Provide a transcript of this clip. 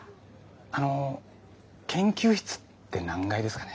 あの研究室って何階ですかね？